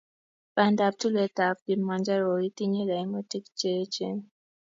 Bandab tulweetab Kilimanjaro kokitinyei kaimutiik cheechen.